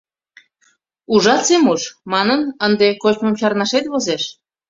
«Ужат, Семуш, — манын, — ынде кочмым чарнашет возеш.